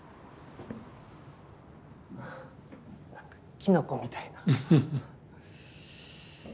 キノコみたいな。